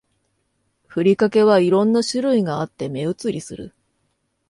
ふりかけは色んな種類があって目移りする